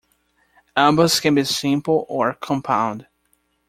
Umbels can be simple or compound.